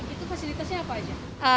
itu fasilitasnya apa aja